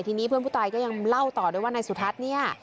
ทีนี้เพื่อนผู้ตายก็ยังเล่าต่อด้วยว่านายสุทัศน์เนี่ย